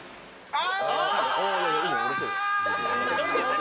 あ！